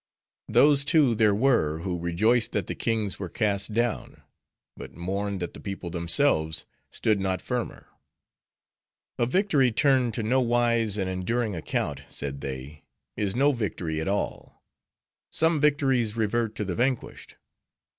Those, too, there were, who rejoiced that the kings were cast down; but mourned that the people themselves stood not firmer. A victory, turned to no wise and enduring account, said they, is no victory at all. Some victories revert to the vanquished.